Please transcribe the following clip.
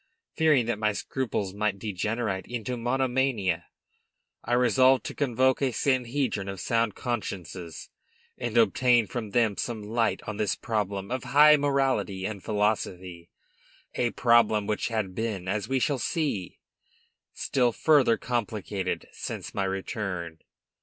Fearing that my scruples might degenerate into monomania, I resolved to convoke a sanhedrim of sound consciences, and obtain from them some light on this problem of high morality and philosophy, a problem which had been, as we shall see, still further complicated since my return.